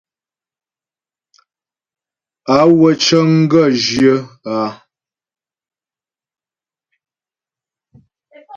Awə̂ cəŋ gaə̂ zhyə áa.